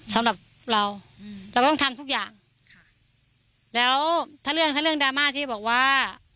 สำหรับเราอืมเราต้องทำทุกอย่างค่ะแล้วถ้าเรื่องถ้าเรื่องดราม่าที่บอกว่า